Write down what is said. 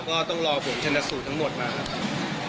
ก็ต้องรอผลชนสูตรทั้งหมดมาครับ